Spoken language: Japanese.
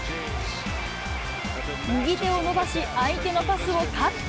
右手を伸ばし、相手のパスをカット。